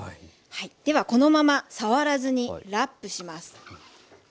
ではこのまま触らずにラップします。